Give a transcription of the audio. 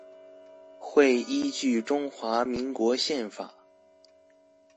會依據中華民國憲法